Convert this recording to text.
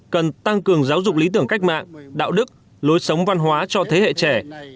cần tăng cường giáo dục lý tưởng cách mạng đạo đức lối sống văn hóa cho thế hệ trẻ